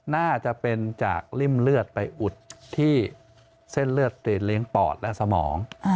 น่าจะเป็นจากริ่มเลือดไปอุดที่เส้นเลือดติดเลี้ยงปอดและสมอง